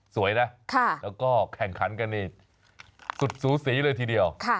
สวยนะแล้วก็แข่งขันกันนี่สุดสูสีเลยทีเดียว